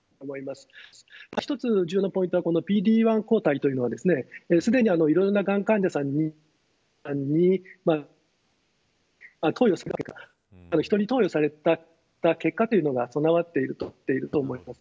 一つ、重要なポイントはＰＤ‐１抗体というのはすでにいろいろながん患者さんに人に投与された結果というのが備わっていると思います。